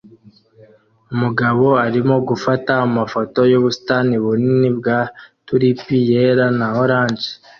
Umugabo arimo gufata amafoto yubusitani bunini bwa tulipi yera na orange